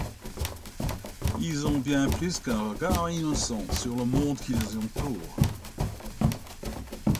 Ils ont bien plus qu’un regard innocent sur le monde qui les entoure.